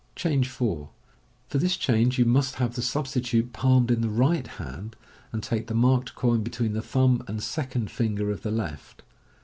Change 4. — For this change you must have the substitute palmed in the right hand, ar C take the marked coin between the thumb and second finger of the left.